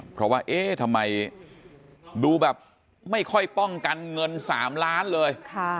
เพราะว่าเอ๊ะทำไมดูแบบไม่ค่อยป้องกันเงิน๓ล้านเลย